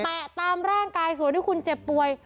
ตามร่างกายส่วนที่คุณเจ็บป่วย